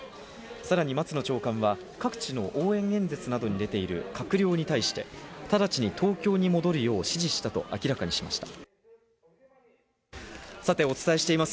さらに松野長官を各地の応援演説など出ている閣僚に対して直ちに東京に戻るよう指示したと明らかにしました。